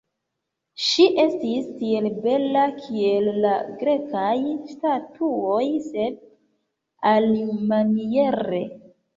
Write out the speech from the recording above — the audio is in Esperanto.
Ŝi estis tiel bela, kiel la Grekaj statuoj, sed alimaniere.